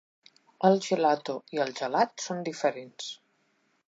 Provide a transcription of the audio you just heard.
El gelato i el gelat són diferents.